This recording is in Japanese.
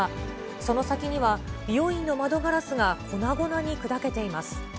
その先には、美容院の窓ガラスが粉々に砕けています。